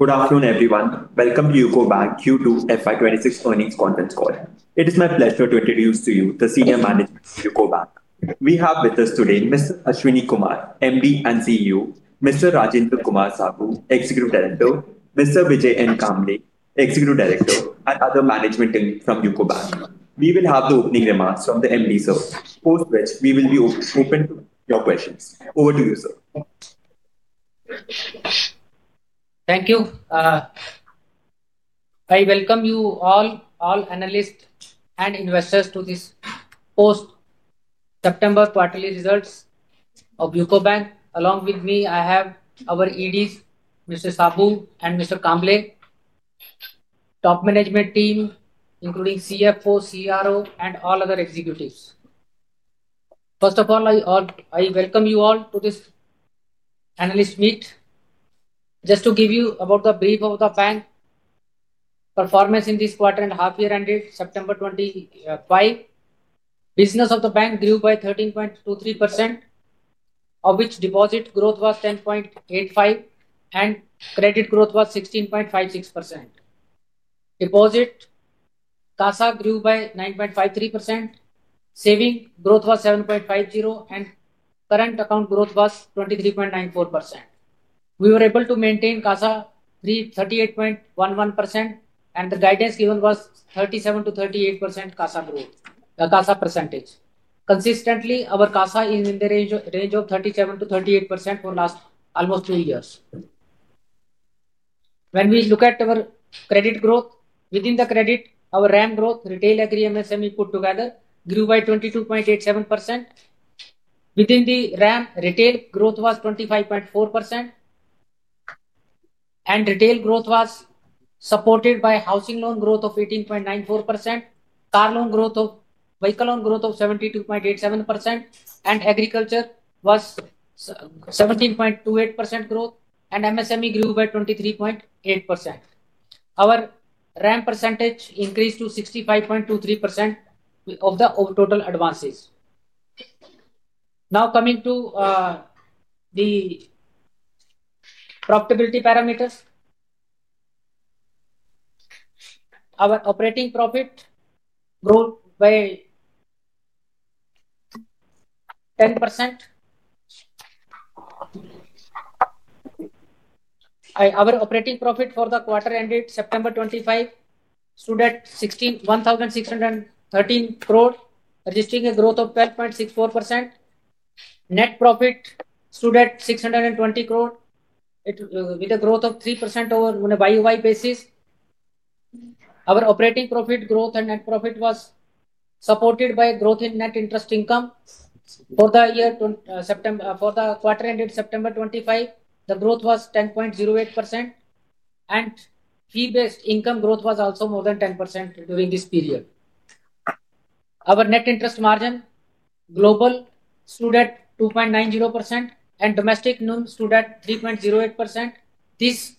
Good afternoon, everyone. Welcome to UCO Bank's Q2 FY26 earnings conference call. It is my pleasure to introduce to you the senior management of UCO Bank. We have with us today Mr. Ashwani Kumar, MD and CEO, Mr. Rajendra Kumar Saboo, Executive Director, Mr. Vijay N. Kamble, Executive Director, and other management from UCO Bank. We will have the opening remarks from the MD, sir, post which we will be open to your questions. Over to you, sir. Thank you. I welcome you all, all analysts and investors, to this post-September quarterly results of UCO Bank. Along with me, I have our EDs, Mr. Saboo and Mr. Kamble, top management team, including CFO, CRO, and all other executives. First of all, I welcome you all to this analyst meeting. Just to give you a brief of the bank's performance in this quarter and half year ended September 2025, business of the bank grew by 13.23%, of which deposit growth was 10.85% and credit growth was 16.56%. Deposit CASA grew by 9.53%, saving growth was 7.50%, and current account growth was 23.94%. We were able to maintain CASA 38.11% and the guidance given was 37 to 38% CASA growth, the CASA percentage. Consistently, our CASA is in the range of 37 to 38% for the last almost two years. When we look at our credit growth, within the credit, our RAM growth, retail, agri, MSME put together grew by 22.87%. Within the RAM, retail growth was 25.4% and retail growth was supported by housing loan growth of 18.94%, car loan growth or vehicle loan growth of 72.87%, and agriculture was 17.28% growth, and MSME grew by 23.8%. Our RAM percentage increased to 65.23% of the total advances. Now coming to the profitability parameters, our operating profit grew by 10%. Our operating profit for the quarter ended September 2025, stood at 1,613 crore, registering a growth of 12.64%. Net profit stood at 620 crore, with a growth of 3% over an annual basis. Our operating profit growth and net profit was supported by a growth in net interest income for the year September, for the quarter ended September 2025, the growth was 10.08%, and fee-based income growth was also more than 10% during this period. Our net interest margin global stood at 2.90% and domestic stood at 3.08%. This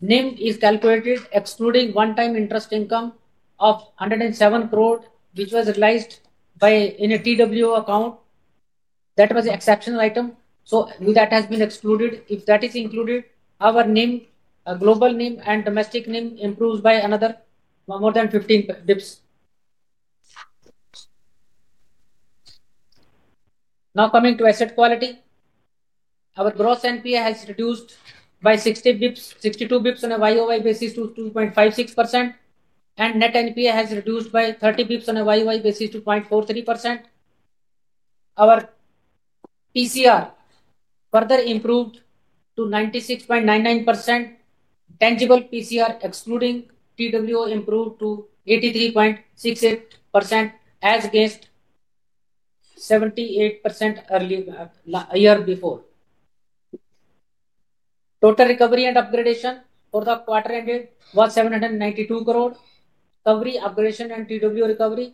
NIM is calculated excluding one-time interest income of 107 crore, which was realized by in a TWO account. That was an exceptional item, so that has been excluded. If that is included, our NIM, global NIM and domestic NIM, improves by another more than 15 bps. Now coming to asset quality, our gross NPA has reduced by 60 bps, 62 bps on an annual basis to 2.56%, and net NPA has reduced by 30 bps on an annual basis to 0.43%. Our PCR further improved to 96.99%. Tangible PCR excluding TWO improved to 83.68% as against 78% earlier year before. Total recovery and upgradation for the quarter ended was 792 crore. Recovery, upgradation and TWO recovery,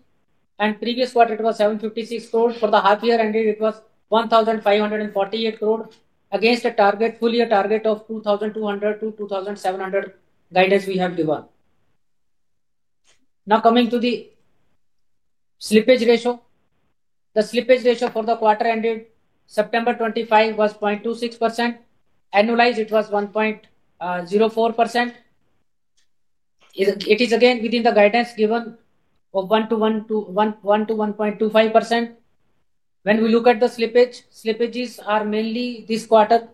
and previous quarter it was 756 crore. For the half year ended, it was 1,548 crore against a full year target of 2,200 to 2,700 guidance we have given. Now coming to the slippage ratio, the slippage ratio for the quarter ended September 2025 was 0.26%. Annualized, it was 1.04%. It is again within the guidance given of 1% to 1.25%. When we look at the slippage, slippages are mainly this quarter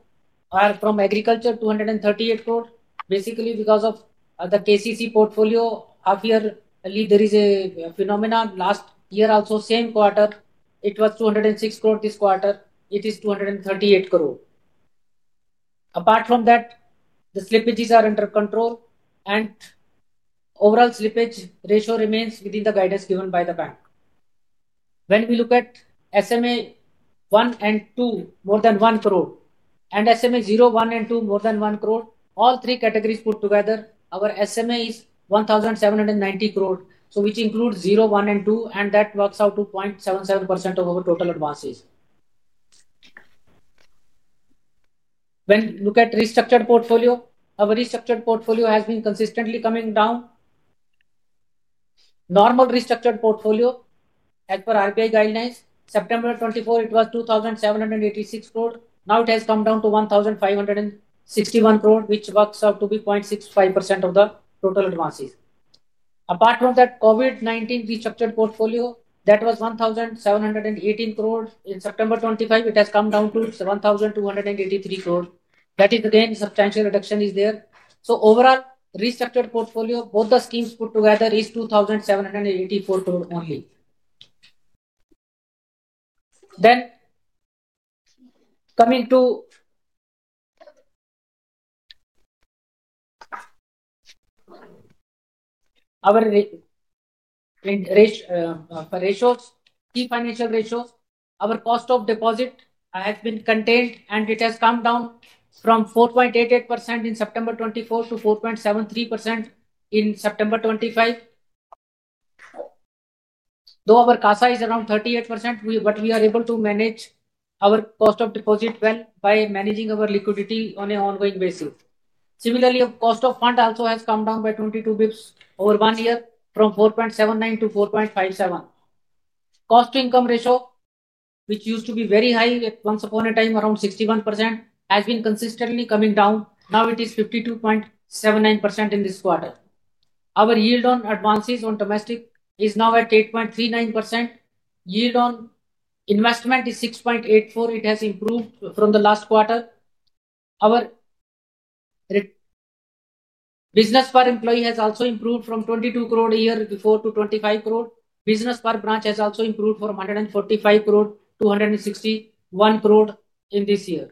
from agriculture 238 crore. Basically, because of the KCC portfolio, half year there is a phenomenon. Last year also same quarter, it was 206 crore. This quarter, it is 238 crore. Apart from that, the slippages are under control, and overall slippage ratio remains within the guidance given by the bank. When we look at SMA one and two more than 1 crore and SMA zero one and two more than 1 crore, all three categories put together, our SMA is 1,790 crore, which includes zero, one, and two, and that works out to 0.77% of our total advances. When we look at restructured portfolio, our restructured portfolio has been consistently coming down. Normal restructured portfolio as per RBI guidelines, September 2024, it was 2,786 crore. Now it has come down to 1,561 crore, which works out to be 0.65% of the total advances. Apart from that, COVID-19 restructured portfolio, that was 1,718 crore. In September 2025, it has come down to 1,283 crore. That is again substantial reduction is there. Overall restructured portfolio, both the schemes put together is 2,784 crore only. Coming to our ratios, key financial ratios, our cost of deposit has been contained, and it has come down from 4.88% in September 2024 to 4.73% in September 2025. Though our CASA is around 38%, we are able to manage our cost of deposit well by managing our liquidity on an ongoing basis. Similarly, our cost of fund also has come down by 22 bps over one year from 4.79% to 4.57%. Cost to income ratio, which used to be very high at once upon a time around 61%, has been consistently coming down. Now it is 52.79% in this quarter. Our yield on advances on domestic is now at 8.39%. Yield on investment is 6.84%. It has improved from the last quarter. Our business per employee has also improved from 22 crore a year before to 25 crore. Business per branch has also improved from 145 crore to 261 crore in this year.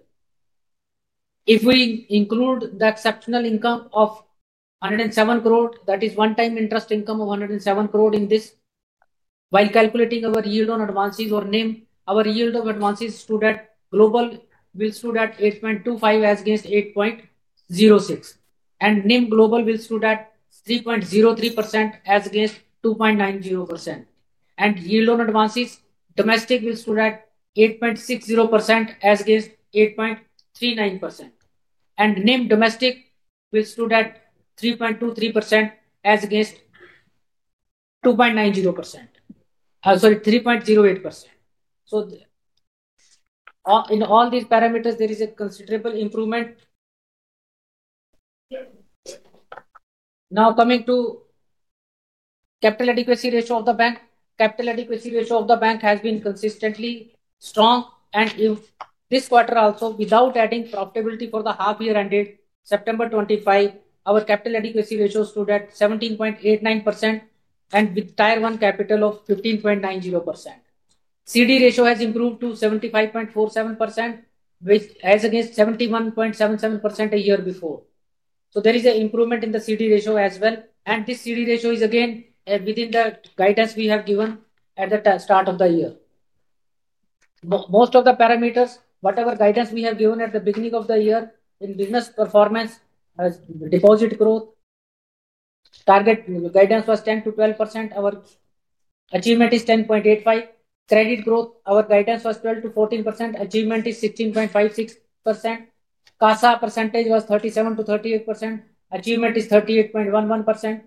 If we include the exceptional income of 107 crore, that is one-time interest income of 107 crore in this, while calculating our yield on advances or NIM, our yield on advances global stood at 8.25% as against 8.06%, and NIM global stood at 3.03% as against 2.90%. Yield on advances domestic stood at 8.60% as against 8.39%, and NIM domestic stood at 3.23% as against 3.08%. In all these parameters, there is a considerable improvement. Now coming to capital adequacy ratio of the bank, capital adequacy ratio of the bank has been consistently strong, and in this quarter also, without adding profitability for the half year ended September 2025, our capital adequacy ratio stood at 17.89% and with Tier One capital of 15.90%. CD ratio has improved to 75.47% as against 71.77% a year before. There is an improvement in the CD ratio as well, and this CD ratio is again within the guidance we have given at the start of the year. Most of the parameters, whatever guidance we have given at the beginning of the year, in business performance, as deposit growth, target guidance was 10% to 12%. Our achievement is 10.85%. Credit growth, our guidance was 12% to 14%. Achievement is 16.56%. CASA percentage was 37% to 38%. Achievement is 38.11%.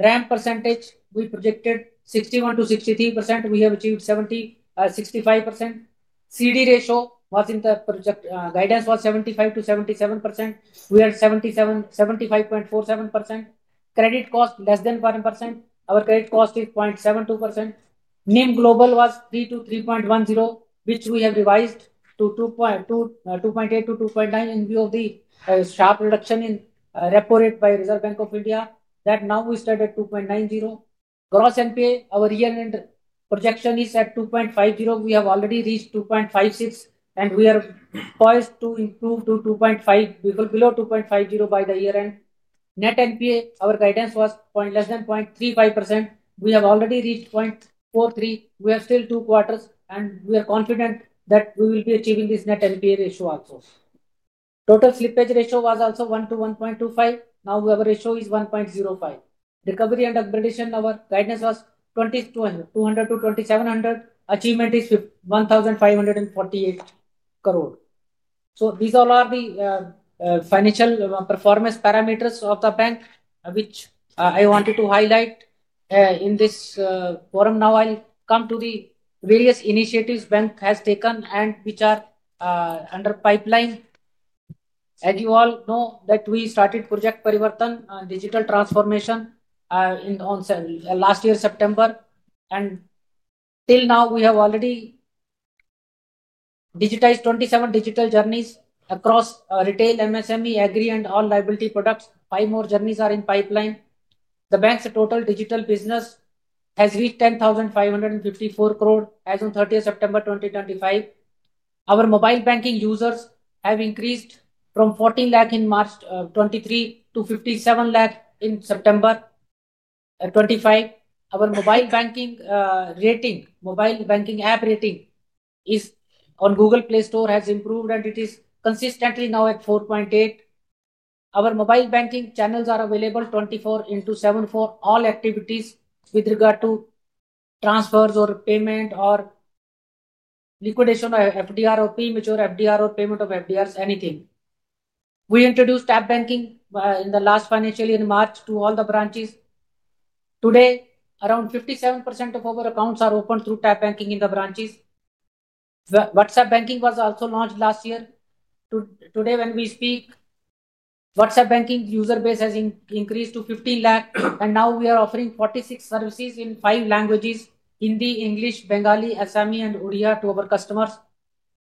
RAM percentage we projected 61% to 63%. We have achieved 65%. CD ratio in the project guidance was 75% to 77%. We are 75.47%. Credit cost less than 5%. Our credit cost is 0.72%. NIM global was 3% to 3.10%, which we have revised to 2.8% to 2.9% in view of the sharp reduction in repo rate by Reserve Bank of India. That now we start at 2.90%. Gross NPA, our year-end projection is at 2.50%. We have already reached 2.56%, and we are poised to improve to below 2.50% by the year-end. Net NPA, our guidance was less than 0.35%. We have already reached 0.43%. We have still two quarters, and we are confident that we will be achieving this net NPA ratio also. Total slippage ratio was also 1% to 1.25%. Now our ratio is 1.05%. Recovery and upgradation, our guidance was 2,200 crore to 2,700 crore. Achievement is 1,548 crore. These all are the financial performance parameters of the bank, which I wanted to highlight in this forum. Now I'll come to the various initiatives bank has taken and which are under pipeline. As you all know, we started Project Parivartan, digital transformation, in last year September, and till now we have already digitized 27 digital journeys across retail, MSME, agri, and all liability products. Five more journeys are in pipeline. The bank's total digital business has reached 10,554 crore as on 30 September 2025. Our mobile banking users have increased from 14 lakh in March 2023 to 57 lakh in September 2025. Our mobile banking app rating on Google Play Store has improved, and it is consistently now at 4.8. Our mobile banking channels are available 24/7 for all activities with regard to transfers or payment or liquidation of FDR or pre-mature FDR or payment of FDRs, anything. We introduced tap banking in the last financial year in March to all the branches. Today, around 57% of our accounts are opened through tap banking in the branches. WhatsApp banking was also launched last year. Today, when we speak, WhatsApp banking user base has increased to 15 lakh, and now we are offering 46 services in five languages: Hindi, English, Bengali, Assamese, and Urdu to our customers.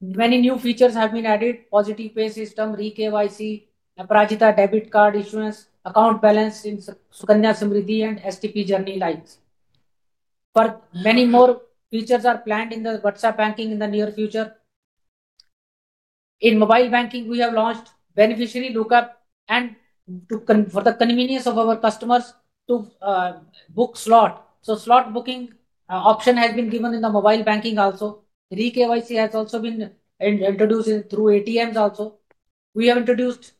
Many new features have been added: positive pay system, re-KYC, Aprajita debit card, insurance, account balance in Sukanya, Samriddhi, and STP journey lines. Many more features are planned in the WhatsApp banking in the near future. In mobile banking, we have launched beneficiary lookup and for the convenience of our customers to book slot. Slot booking option has been given in the mobile banking also. Re-KYC has also been introduced through ATMs also. We have introduced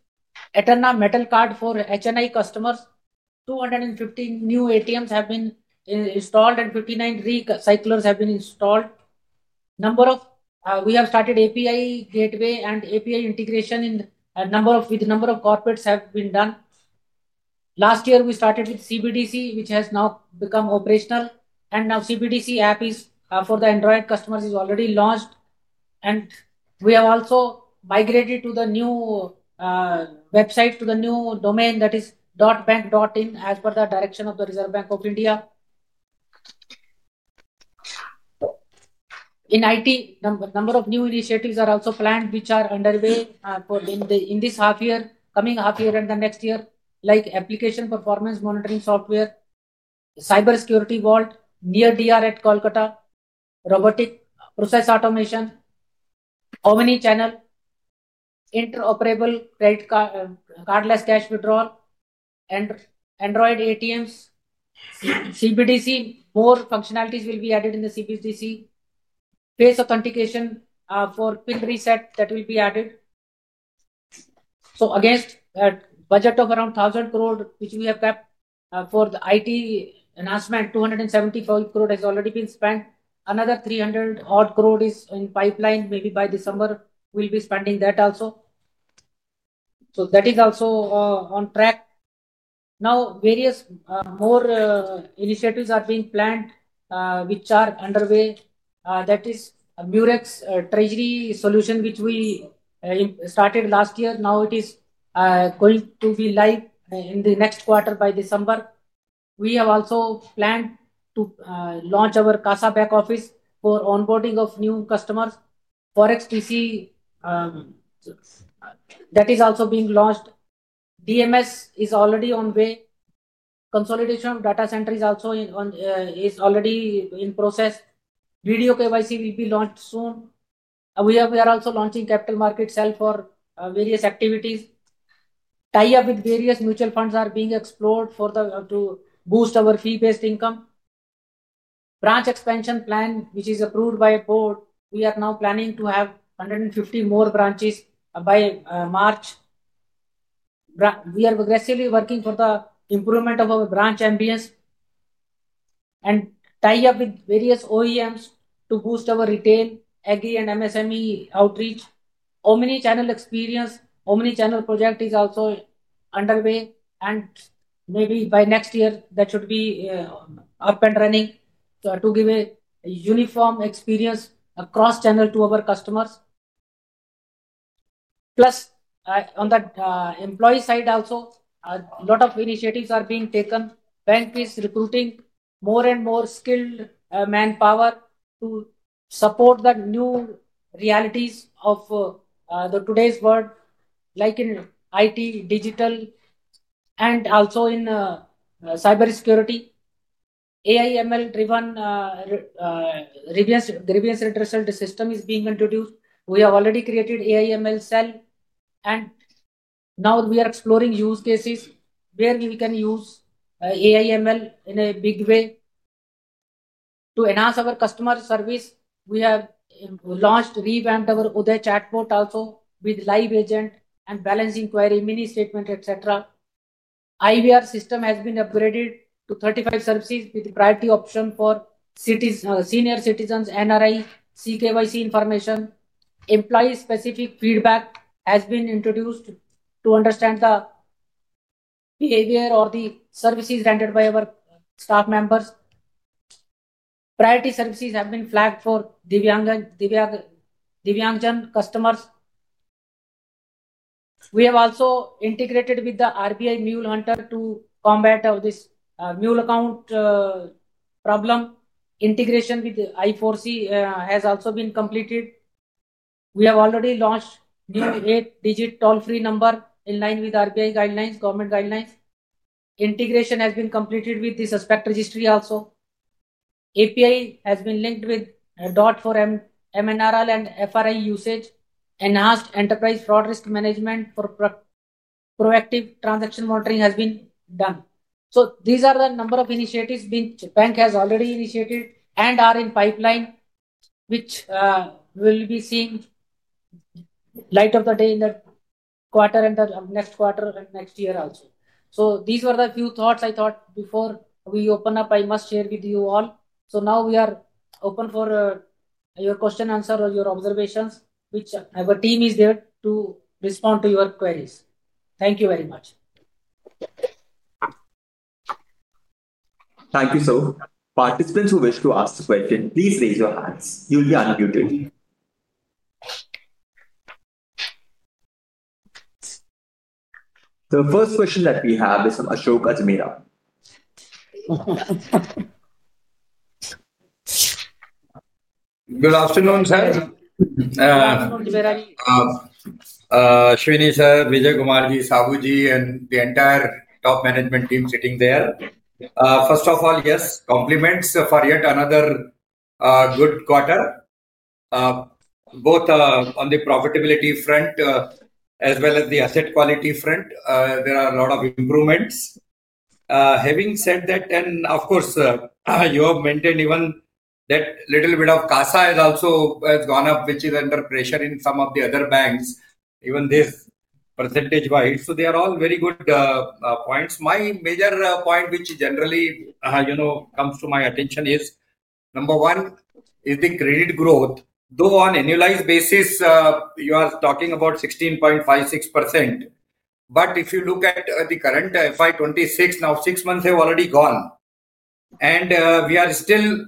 Aeternal metal card for HNI customers. 215 new ATMs have been installed, and 59 recyclers have been installed. We have started API gateway and API integration with a number of corporates have been done. Last year, we started with CBDC, which has now become operational, and now CBDC app is for the Android customers already launched. We have also migrated to the new website to the new domain that is dotbank.in as per the direction of the Reserve Bank of India. In IT, a number of new initiatives are also planned, which are underway in this half year, coming half year, and the next year, like application performance monitoring software, cyber security vault near DR at Kolkata, robotic process automation, omni channel, interoperable credit card, cardless cash withdrawal, and Android ATMs. CBDC more functionalities will be added in the CBDC. Face authentication for PIN reset, that will be added. Against a budget of around 1,000 crore, which we have kept for the IT announcement, 275 crore has already been spent. Another 300 crore is in the pipeline, maybe by December, we will be spending that also. That is also on track. Various more initiatives are being planned, which are underway. That is Murex Treasury Solution, which we started last year. Now it is going to be live in the next quarter by December. We have also planned to launch our CASA back office for onboarding of new customers. ForexTC, that is also being launched. DMS is already on the way. Consolidation of data center is also already in process. Video KYC will be launched soon. We are also launching capital market sale for various activities. Tie-up with various mutual funds is being explored to boost our fee-based income. Branch expansion plan, which is approved by our board, we are now planning to have 150 more branches by March. We are aggressively working for the improvement of our branch ambience and tie-up with various OEMs to boost our retail, agriculture, and MSME outreach. Omni channel experience, Omni channel project is also underway, and maybe by next year, that should be up and running to give a uniform experience across channels to our customers. Plus, on the employee side also, a lot of initiatives are being taken. Bank is recruiting more and more skilled manpower to support the new realities of today's world, like in IT, digital, and also in cyber security. AIML-driven reverse retrosalte system is being introduced. We have already created AIML cell, and now we are exploring use cases where we can use AIML in a big way. To enhance our customer service, we have launched and revamped our Ude chatbot also with live agent and balancing query, mini statement, etc. IVR system has been upgraded to 35 services with priority option for senior citizens, NRI, CKYC information. Employee-specific feedback has been introduced to understand the behavior or the services rendered by our staff members. Priority services have been flagged for Divyang Chand customers. We have also integrated with the RBI Mule Hunter to combat this mule account problem. Integration with I4C has also been completed. We have already launched new eight-digit toll-free number in line with RBI guidelines, government guidelines. Integration has been completed with the suspect registry also. API has been linked with DOT for MNRL and FRI usage. Enhanced enterprise fraud risk management for proactive transaction monitoring has been done. These are the number of initiatives which the bank has already initiated and are in the pipeline, which will be seeing light of the day in the quarter, the next quarter, and next year also. These were the few thoughts I thought before we open up. I must share with you all. Now we are open for your questions, answers, or your observations, which our team is there to respond to your queries. Thank you very much. Thank you, sir. Participants who wish to ask a question, please raise your hands. You'll be unmuted. The first question that we have is from Ashok Azmeera. Good afternoon, sir. Good afternoon, Jiviraji. Ashwani sir, Vijay N. Kamble ji, Saboo ji, and the entire top management team sitting there, first of all, yes, compliments for yet another good quarter. Both on the profitability front as well as the asset quality front, there are a lot of improvements. Having said that, and of course, you have mentioned even that a little bit of CASA has also gone up, which is under pressure in some of the other banks, even this % wise. They are all very good points. My major point, which generally comes to my attention, is number one is the credit growth. Though on annualized basis, you are talking about 16.56%, if you look at the current FY2026, now six months have already gone, and we are still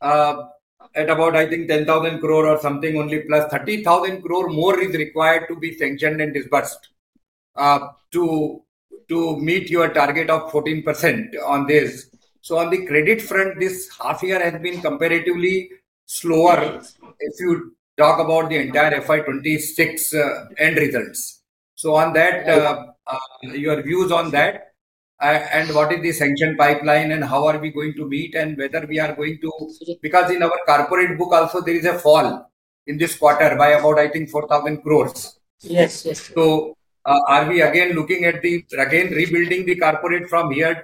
at about, I think, 10,000 crore or something only, plus 30,000 crore more is required to be sanctioned and disbursed to meet your target of 14% on this. On the credit front, this half year has been comparatively slower if you talk about the entire FY2026 end results. On that, your views on that, and what is the sanction pipeline, and how are we going to meet, and whether we are going to, because in our corporate book also, there is a fall in this quarter by about, I think, 4,000 crore. Yes, yes. Are we again looking at rebuilding the corporate from here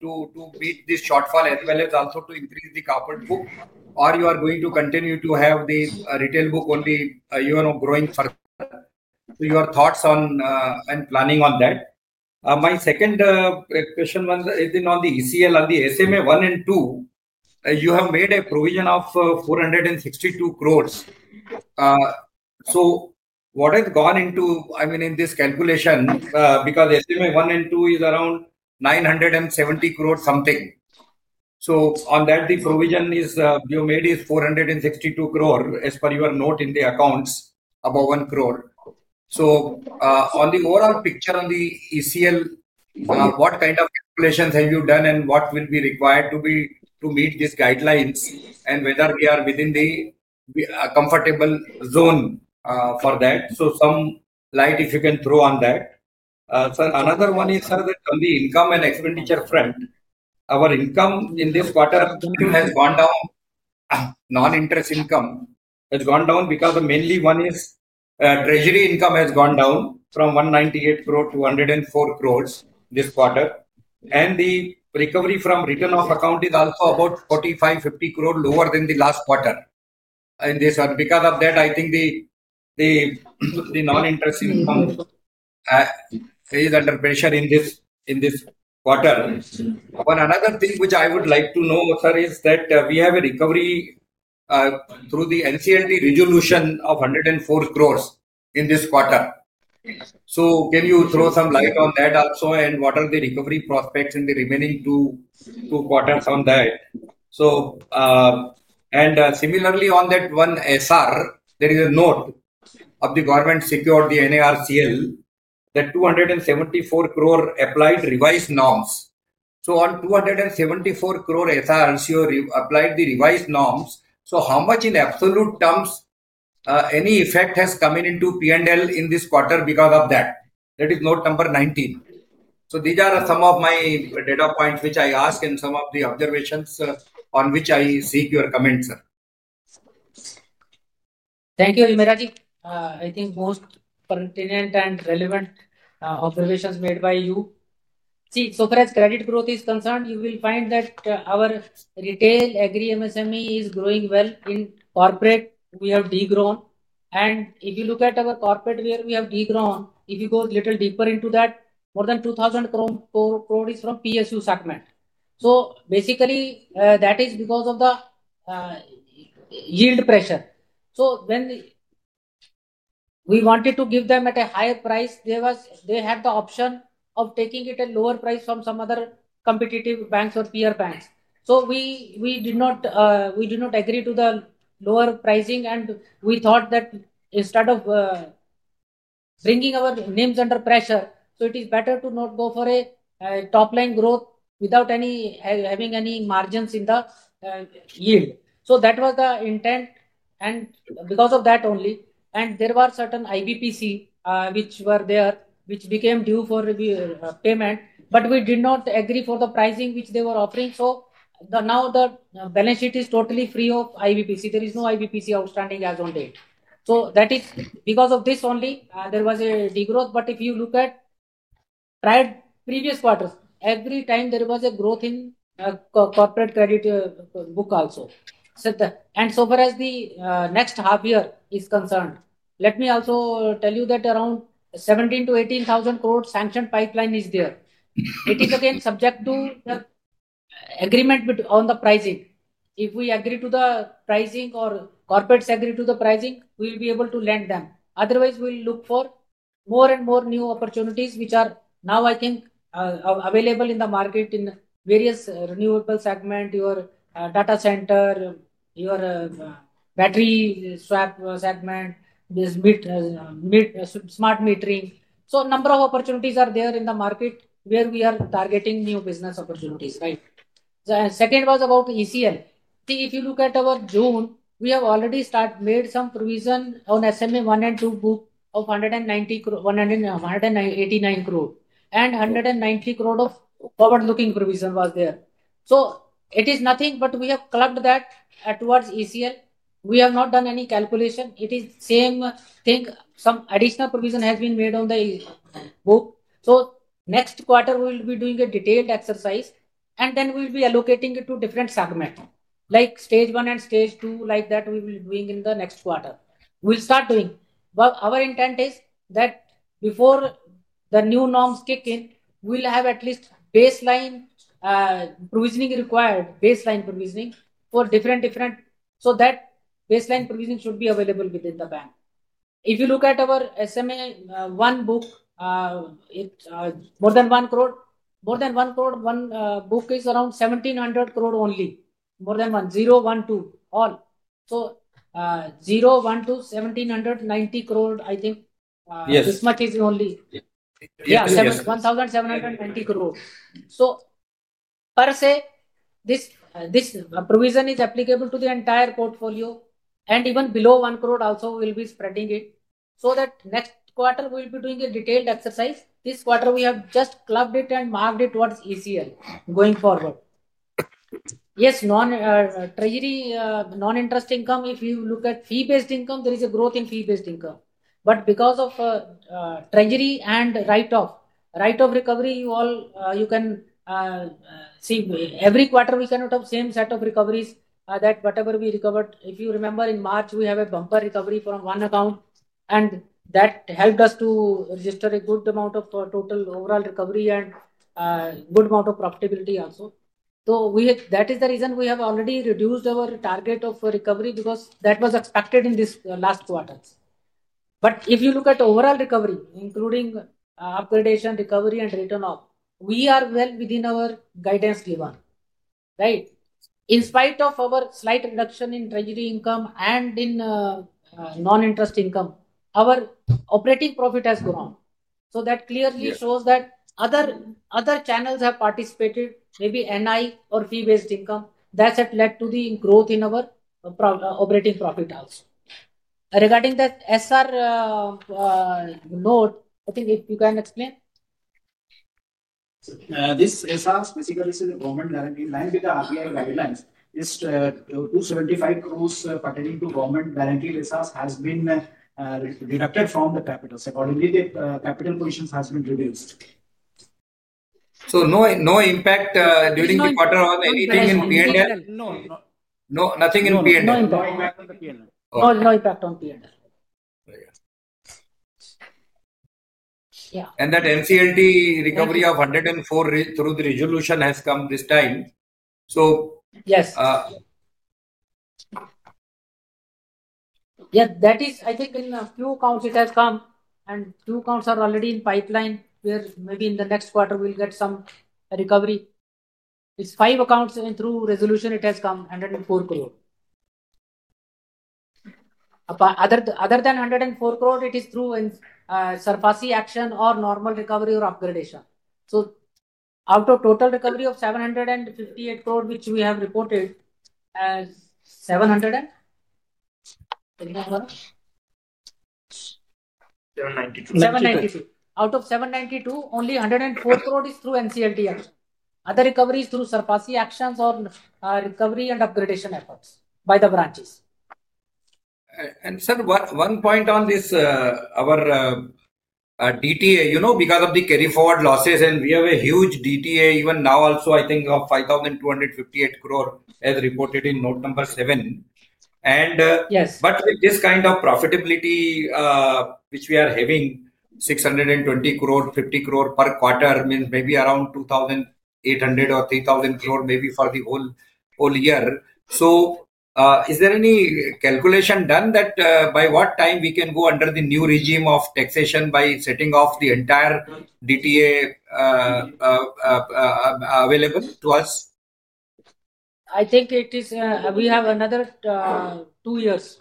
to beat this shortfall as well as also to increase the corporate book, or are you going to continue to have the retail book only, you know, growing further? Your thoughts on and planning on that. My second question is on the ECL, on the SMA 1 and 2, you have made a provision of 462 crore. What has gone into, I mean, in this calculation, because SMA 1 and 2 is around 970 crore something. On that, the provision you made is 462 crore as per your note in the accounts about 1 crore. On the overall picture on the ECL, what kind of calculations have you done, and what will be required to meet these guidelines, and whether we are within the comfortable zone for that? Some light, if you can throw on that. Sir, another one is that on the income and expenditure front, our income in this quarter has gone down. Non-interest income has gone down because mainly one is treasury income has gone down from 198 crore to 104 crore this quarter. The recovery from return of account is also about 45, 50 crore lower than the last quarter. Because of that, I think the non-interest income is under pressure in this quarter. One other thing which I would like to know, sir, is that we have a recovery through the NCLT resolution of 104 crore in this quarter. Can you throw some light on that also? What are the recovery prospects in the remaining two quarters on that? Similarly, on that one SR, there is a note of the government secured the NARCL that 274 crore applied revised norms. On 274 crore SRs, you applied the revised norms. How much in absolute terms any effect has come into P&L in this quarter because of that? That is note number 19. These are some of my data points which I ask and some of the observations on which I seek your comment, sir. Thank you, Jiviraji. I think most pertinent and relevant observations made by you. See, so far as credit growth is concerned, you will find that our retail, agriculture, MSME is growing well. In corporate, we have degrown. If you look at our corporate rear, we have degrown. If you go a little deeper into that, more than 2,000 crore is from PSU segment. That is because of the yield pressure. When we wanted to give them at a higher price, they had the option of taking it at a lower price from some other competitive banks or peer banks. We did not agree to the lower pricing, and we thought that instead of bringing our names under pressure, it is better to not go for a top line growth without having any margins in the yield. That was the intent and because of that only. There were certain IBPC which were there, which became due for payment, but we did not agree for the pricing which they were offering. Now the balance sheet is totally free of IBPC. There is no IBPC outstanding as on date. That is because of this only, there was a degrowth. If you look at prior previous quarters, every time there was a growth in corporate credit book also. So far as the next half year is concerned, let me also tell you that around 17,000 to 18,000 crore sanction pipeline is there. It is again subject to the agreement on the pricing. If we agree to the pricing or corporates agree to the pricing, we will be able to lend them. Otherwise, we will look for more and more new opportunities which are now, I think, available in the market in various renewable segment, your data center, your battery swap segment, smart metering. A number of opportunities are there in the market where we are targeting new business opportunities. The second was about ECL. If you look at our June, we have already made some provision on SMA one and two book of 189 crore. 190 crore of forward-looking provision was there. It is nothing, but we have clumped that towards ECL. We have not done any calculation. It is the same thing. Some additional provision has been made on the book. Next quarter, we will be doing a detailed exercise, and then we will be allocating it to different segments. Like stage one and stage two, like that we will be doing in the next quarter. We will start doing. Our intent is that before the new norms kick in, we will have at least baseline provisioning required, baseline provisioning for different different. That baseline provisioning should be available within the bank. If you look at our SMA one book, more than 1 crore, more than 1 crore, one book is around 1,700 crore only. More than one, 0, 1, 2, all. So 0, 1, 2, 1,790 crore, I think. Yes. This much is only 1,790 crore. Per se, this provision is applicable to the entire portfolio. Even below 1 crore also, we will be spreading it. Next quarter, we will be doing a detailed exercise. This quarter, we have just clumped it and marked it towards ECL going forward. Yes, non-treasury, non-interest income, if you look at fee-based income, there is a growth in fee-based income. Because of treasury and write-off recovery, you can see every quarter, we can have the same set of recoveries that whatever we recovered. If you remember, in March, we have a bumper recovery from one account. That helped us to register a good amount of total overall recovery and a good amount of profitability also. That is the reason we have already reduced our target of recovery because that was expected in these last quarters. If you look at overall recovery, including upgradation, recovery, and return of, we are well within our guidance given. In spite of our slight reduction in treasury income and in non-interest income, our operating profit has grown. That clearly shows that other channels have participated, maybe NIMs or fee-based income. That's what led to the growth in our operating profit also. Regarding the SR note, I think if you can explain. This SR specifically says the government guarantee in line with the RBI guidelines. This 275 crore pertaining to government guarantee SRs has been deducted from the capital, so accordingly, the capital provision has been reduced. was no impact during the quarter on anything in P&L? No. No, nothing in P&L? No, no. No impact on the P&L? No, no impact on P&L. Yeah, that NCLT recovery of 104 crore through the resolution has come this time. Yes, that is, I think, in a few accounts, it has come. Two accounts are already in pipeline where maybe in the next quarter, we will get some recovery. It's five accounts, and through resolution, it has come 104 crore. Other than 104 crore, it is through in surplusy action or normal recovery or upgradation. Out of total recovery of 758 crore, which we have reported as 790 crore? 792. 792. Out of 792, only 104 crore is through NCLT action. Other recovery is through SARFAESI actions or recovery and upgradation efforts by the branches. Sir, one point on this, our DTA, you know, because of the carry forward losses, and we have a huge DTA even now also, I think, of 5,258 crore as reported in note number seven. Yes, with this kind of profitability, which we are having, 620 crore, 50 crore per quarter, means maybe around 2,800 or 3,000 crore maybe for the whole year. Is there any calculation done that by what time we can go under the new regime of taxation by setting off the entire DTA available to us? I think we have another two years.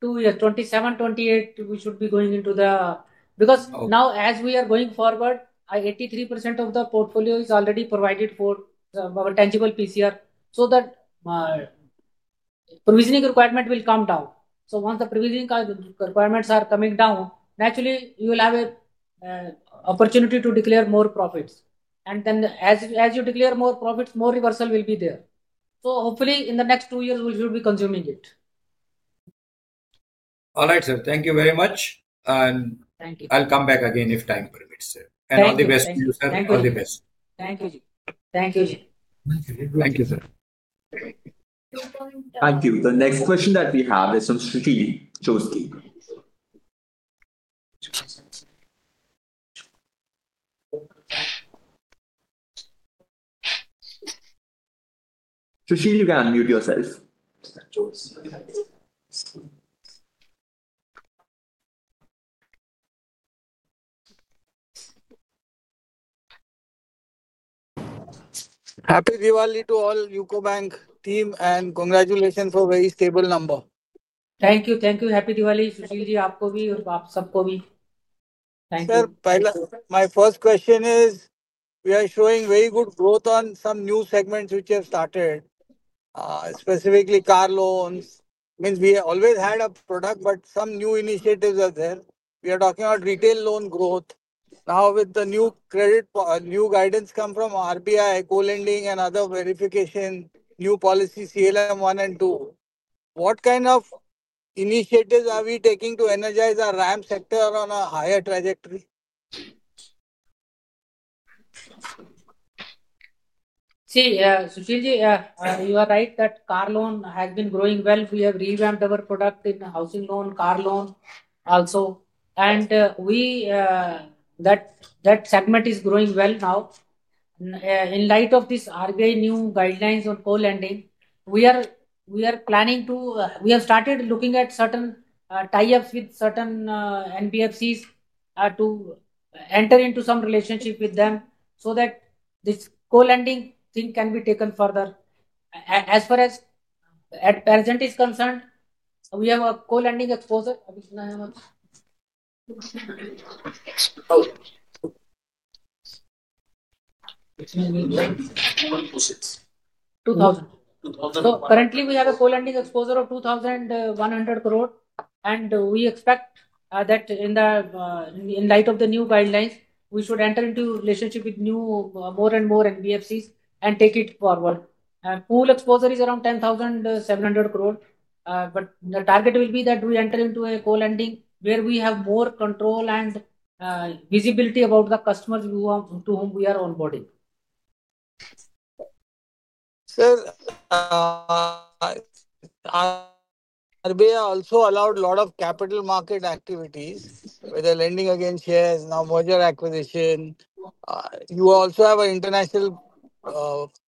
Two years, 2027, 2028, we should be going into it because now as we are going forward, 83% of the portfolio is already provided for our tangible PCR. That provisioning requirement will come down. Once the provisioning requirements are coming down, naturally, you will have an opportunity to declare more profits. As you declare more profits, more reversal will be there. Hopefully, in the next two years, we should be consuming it. All right, sir. Thank you very much. I'll come back again if time permits, sir. All the best to you, sir. All the best. Thank you, sir. Thank you, sir. Thank you. The next question that we have is from Sushil Choksey. Sushil, you can unmute yourself. Happy Diwali to all UCO Bank team and congratulations for very stable number. Thank you. Thank you. Happy Diwali, Sushili ji, and you all. Sir, my first question is we are showing very good growth on some new segments which have started, specifically car loans. We always had a product, but some new initiatives are there. We are talking about retail loan growth. Now with the new credit, new guidance come from RBI, co-lending, and other verification, new policy CLM one and two. What kind of initiatives are we taking to energize our RAM sector on a higher trajectory? Sushili ji, you are right that car loan has been growing well. We have revamped our product in housing loan, car loan also, and that segment is growing well now. In light of this RBI new guidelines on co-lending, we are planning to, we have started looking at certain tie-ups with certain NBFCs to enter into some relationship with them so that this co-lending thing can be taken further. As far as at present is concerned, we have a co-lending exposure. Currently, we have a co-lending exposure of 2,100 crore. We expect that in light of the new guidelines, we should enter into relationship with new, more and more NBFCs and take it forward. Pool exposure is around 10,700 crore. The target will be that we enter into a co-lending where we have more control and visibility about the customers to whom we are onboarding. Sir, RBI also allowed a lot of capital market activities with the lending against shares, now merger acquisition. You also have an international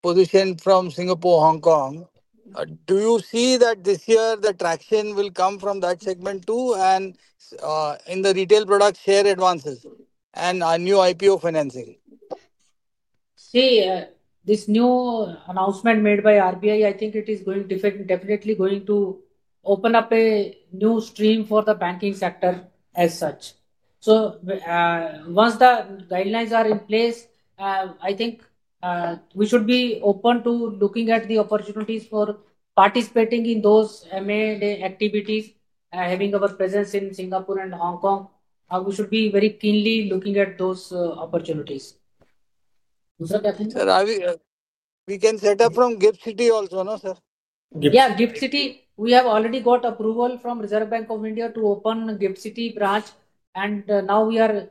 position from Singapore, Hong Kong. Do you see that this year the traction will come from that segment too and in the retail product share advances and new IPO financing? See, this new announcement made by RBI, I think it is definitely going to open up a new stream for the banking sector as such. Once the guidelines are in place, I think we should be open to looking at the opportunities for participating in those M&A activities. Having our presence in Singapore and Hong Kong, we should be very keenly looking at those opportunities. Sir, we can set up from GIFT City also, no, sir? Yeah, GIFT City. We have already got approval from Reserve Bank of India to open GIFT City branch. We are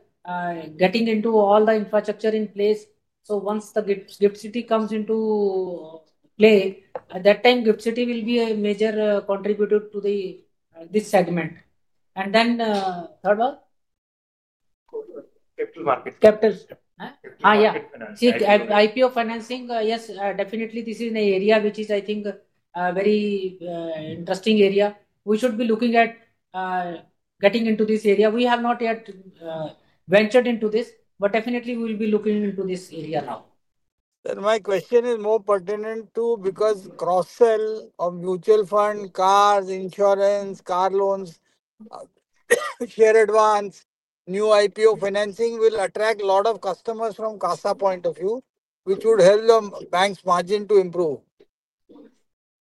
getting all the infrastructure in place. Once the GIFT City comes into play, at that time, GIFT City will be a major contributor to this segment. Then third one. Capital market. Capital market. Capital market. See, IPO financing, yes, definitely, this is an area which is, I think, a very interesting area. We should be looking at getting into this area. We have not yet ventured into this, but definitely, we will be looking into this area now. Sir, my question is more pertinent too because cross-sell of mutual fund, cars, insurance, car loans, share advance, new IPO financing will attract a lot of customers from CASA point of view, which would help the bank's margin to improve.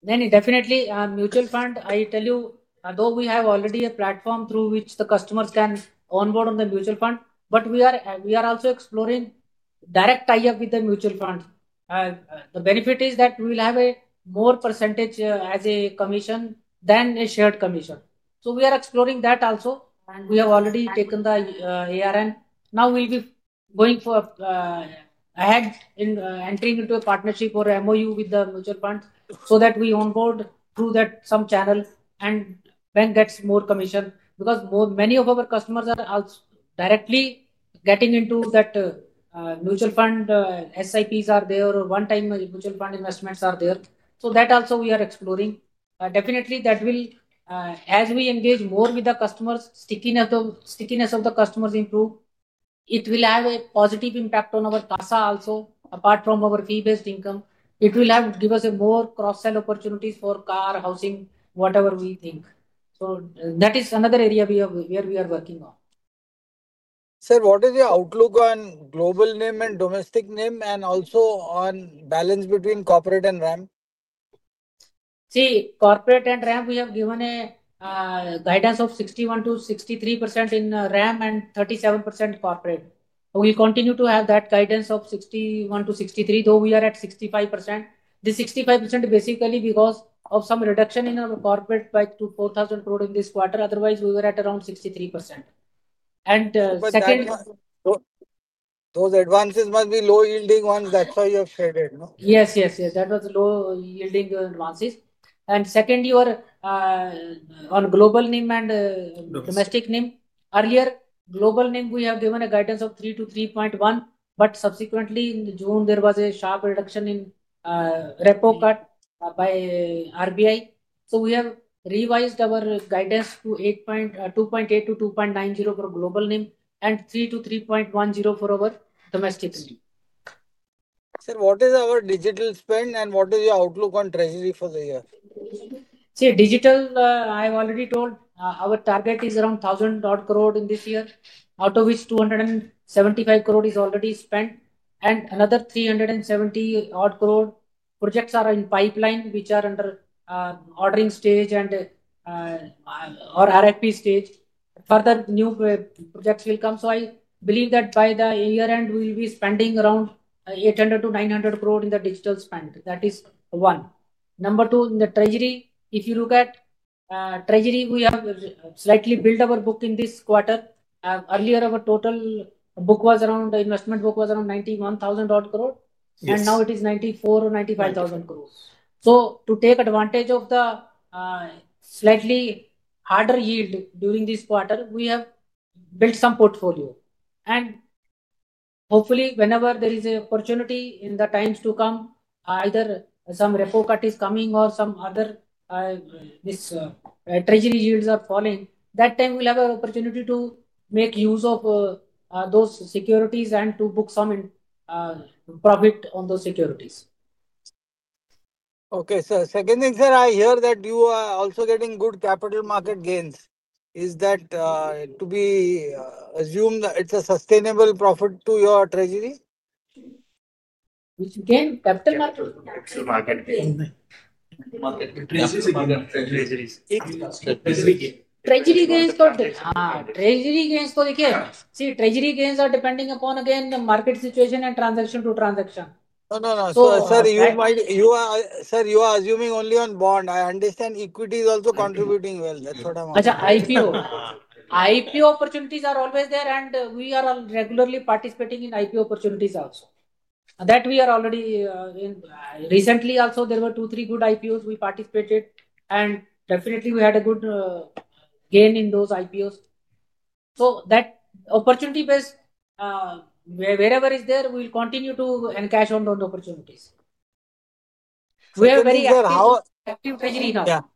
Definitely, mutual fund, I tell you, though we already have a platform through which the customers can onboard on the mutual fund, we are also exploring direct tie-up with the mutual fund. The benefit is that we will have a higher % as a commission than a shared commission. We are exploring that also. We have already taken the ARN. Now we will be going ahead in entering into a partnership or MOU with the mutual fund so that we onboard through that channel and the bank gets more commission because many of our customers are directly getting into that mutual fund. SIPs are there. One-time mutual fund investments are there. That also we are exploring. Definitely, as we engage more with the customers, stickiness of the customers improves. It will have a positive impact on our CASA ratio also, apart from our fee-based income. It will give us more cross-sell opportunities for car, housing, whatever we think. That is another area where we are working on. Sir, what is your outlook on global NIM and domestic NIM, and also on balance between corporate and RAM? See, corporate and RAM, we have given a guidance of 61% to 63% in RAM and 37% corporate. We will continue to have that guidance of 61% to 63%, though we are at 65%. The 65% is basically because of some reduction in our corporate by 4,000 crore in this quarter. Otherwise, we were at around 63%. Second. Those advances must be low-yielding ones. That's why you have shaded, no? Yes, yes, yes. That was low yielding advances. Second, you are on global NIM and domestic NIM. Earlier, global NIM, we have given a guidance of 3 to 3.1. Subsequently, in June, there was a sharp reduction in repo cut by RBI. We have revised our guidance to 2.8 to 2.90 for global NIM and 3 to 3.10 for our domestic NIM. Sir, what is our digital spend and what is your outlook on treasury for the year? See, digital, I have already told, our target is around 1,000 crore in this year, out of which 275 crore is already spent and another 370 crore projects are in pipeline, which are under ordering stage and RFP stage. Further new projects will come. I believe that by the year end, we will be spending around 800 to 900 crore in the digital spend. That is one. Number two, in the treasury, if you look at treasury, we have slightly built our book in this quarter. Earlier, our total book was around, investment book was around 91,000 crore, and now it is 94 or 95,000 crore. To take advantage of the slightly harder yield during this quarter, we have built some portfolio. Hopefully, whenever there is an opportunity in the times to come, either some repo cut is coming or some other treasury yields are falling, that time we will have an opportunity to make use of those securities and to book some in profit on those securities. OK, sir. Second thing, sir, I hear that you are also getting good capital market gains. Is that to be assumed that it's a sustainable profit to your treasury? Which gain? Capital market? Capital market gains. Treasury gains? Treasury gains? Treasury gains? Treasury gains? Treasury gains? OK, sir. Treasury gains are depending upon, again, market situation and transaction to transaction. No, sir, you are assuming only on bond. I understand equity is also contributing well. That's what I want to know. Ajay, IPO. IPO opportunities are always there, and we are regularly participating in IPO opportunities also. We are already in. Recently also, there were two, three good IPOs we participated, and definitely, we had a good gain in those IPOs. That opportunity-based wherever is there, we will continue to encash on those opportunities. We are very active in our treasury now.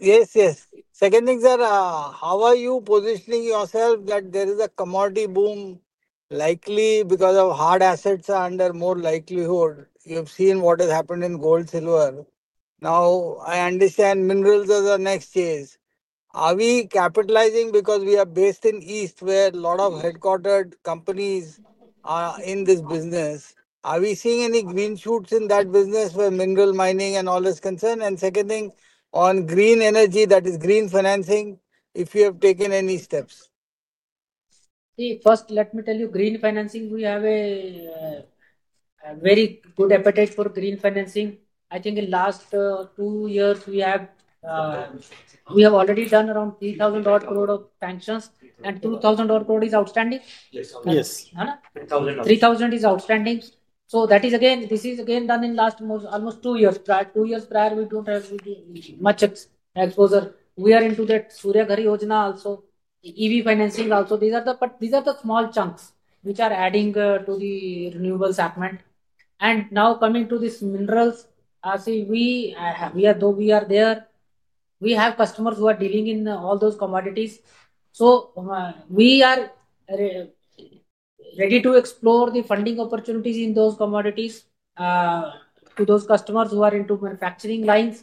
Yes, yes. Second thing, sir, how are you positioning yourself that there is a commodity boom likely because hard assets are under more likelihood? You have seen what has happened in gold, silver. Now I understand minerals are the next chase. Are we capitalizing because we are based in East where a lot of headquartered companies are in this business? Are we seeing any green shoots in that business where mineral mining and all is concerned? Second thing, on green energy, that is green financing, if you have taken any steps? See, first, let me tell you, green financing, we have a very good appetite for green financing. I think in the last two years, we have already done around INR 3,000 crore of sanctions, and INR 2,000 crore is outstanding. Yes, 3,000 crore is outstanding. This is again done in the last almost two years. Two years prior, we don't have much exposure. We are into that Surya Gari Yojana also, EV financing also. These are the small chunks which are adding to the renewable segment. Now coming to this minerals, we are there, we have customers who are dealing in all those commodities. We are ready to explore the funding opportunities in those commodities to those customers who are into manufacturing lines.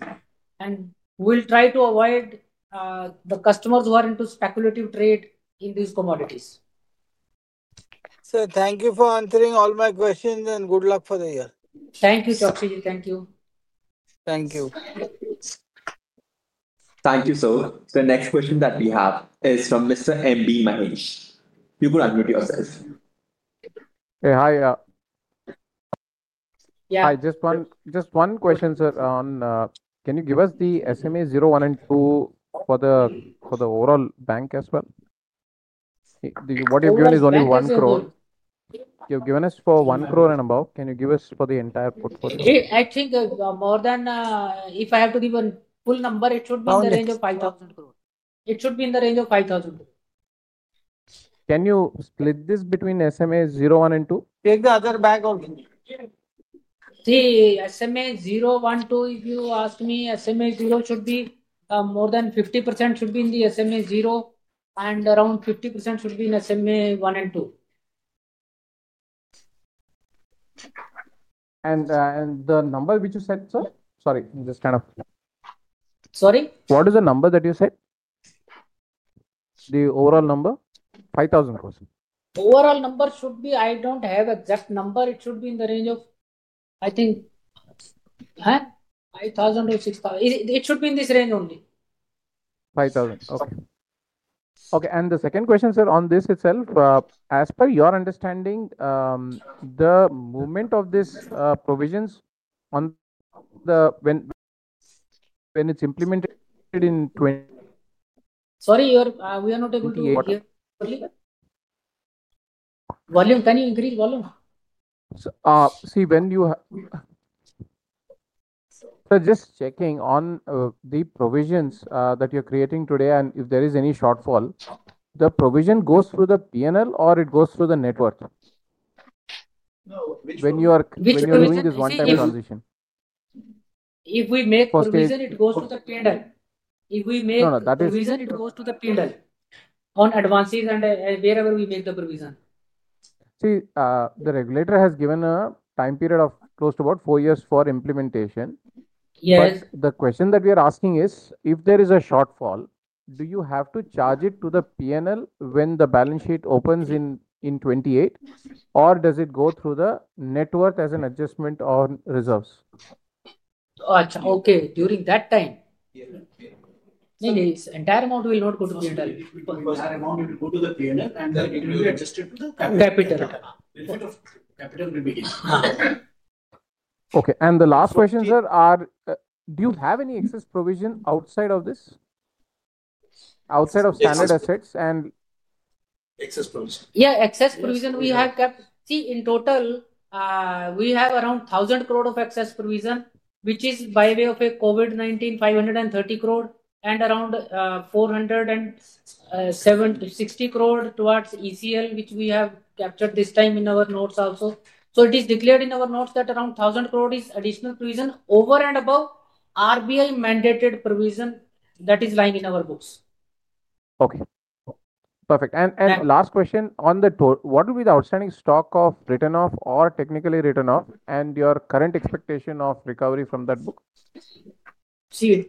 We will try to avoid the customers who are into speculative trade in these commodities. Sir, thank you for answering all my questions, and good luck for the year. Thank you, Sushili. Thank you. Thank you. Thank you, sir. The next question that we have is from Mr. M.B. Mahesh. You could unmute yourself. Hi. I just want one question, sir. Can you give us the SMA 0, 1, and 2 for the overall bank as well? What you've given is only 1 crore. You've given us for 1 crore and above. Can you give us for the entire portfolio? I think if I have to give a full number, it should be in the range of 5,000 crore. It should be in the range of 5,000 crore. Can you split this between SMA 0, 1, and 2? Take the other bank also. See, SMA 0, 1, 2, if you ask me, SMA 0 should be more than 50% should be in the SMA 0, and around 50% should be in SMA 1 and 2. The number which you said, sir? Sorry, I'm just trying to. Sorry? What is the number that you said? The overall number, 5,000 crore. Overall number should be, I don't have a just number. It should be in the range of, I think, 5,000 or 6,000. It should be in this range only. 5,000. OK. The second question, sir, on this itself, as per your understanding, the movement of this provisions on the when it's implemented in 2020. Sorry, we are not able to hear you. Volume, can you increase volume? When you are just checking on the provisions that you're creating today, and if there is any shortfall, the provision goes through the P&L or it goes through the net worth? When you are doing this one-time transition. If we make provision, it goes to the P&L. If we make provision, it goes to the P&L on advances and wherever we make the provision. See, the regulator has given a time period of close to about four years for implementation. Yes. The question that we are asking is, if there is a shortfall, do you have to charge it to the P&L when the balance sheet opens in 2028, or does it go through the net worth as an adjustment on reserves? Okay. During that time, no, the entire amount will not go to P&L. The entire amount will go to the P&L, and then it will be adjusted to the capital. Capital. Capital will be given. OK. The last question, sir, do you have any excess provision outside of this, outside of standard assets? Excess provision. Yeah, excess provision we have kept. See, in total, we have around 1,000 crore of excess provision, which is by way of a COVID-19, 530 crore, and around 460 crore towards ECL, which we have captured this time in our notes also. It is declared in our notes that around 1,000 crore is additional provision over and above RBI mandated provision that is lying in our books. OK. Perfect. Last question, on the tour, what will be the outstanding stock of written off or technically written off, and your current expectation of recovery from that book? See,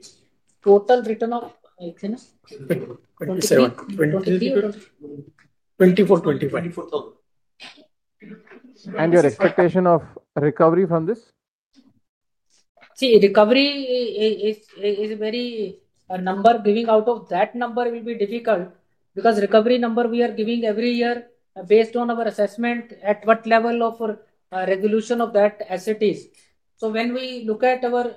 total written off, 2024, 2025. is your expectation of recovery from this? See, recovery is a very number. Giving out of that number will be difficult because recovery number we are giving every year based on our assessment at what level of resolution of that asset is. When we look at our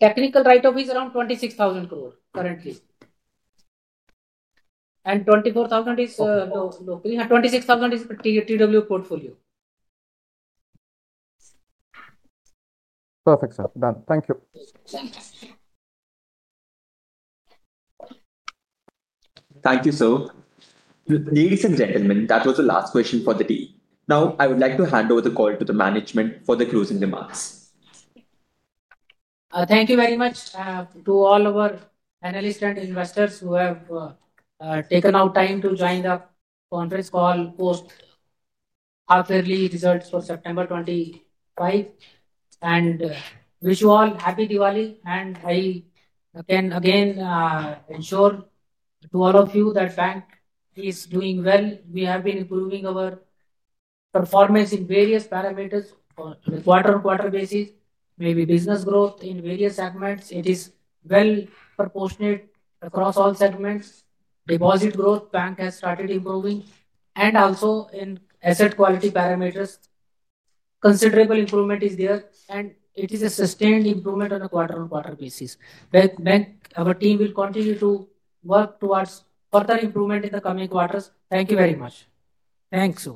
technical write-off, it is around 26,000 crore currently. 24,000 is low. 26,000 is TW portfolio. Perfect, sir. Done. Thank you. Thank you, sir. Ladies and gentlemen, that was the last question for the day. Now I would like to hand over the call to the management for the closing remarks. Thank you very much to all of our analysts and investors who have taken out time to join the conference call post half-yearly results for September 2025. I wish you all happy Diwali. I can again ensure to all of you that the bank is doing well. We have been improving our performance in various parameters on a quarter-on-quarter basis. Business growth in various segments is well proportionate across all segments. Deposit growth at the bank has started improving. Also, in asset quality parameters, considerable improvement is there. It is a sustained improvement on a quarter-on-quarter basis. Our team will continue to work towards further improvement in the coming quarters. Thank you very much. Thanks, sir.